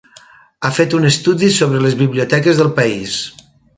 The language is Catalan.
Ha fet un estudi sobre les biblioteques del país.